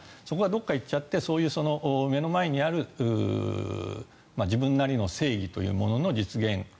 そこがどこかに行っちゃって目の前にある自分なりの正義というものの実現